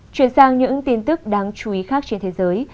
chuyển sang những tin tức đáng chú ý khác trên thế giới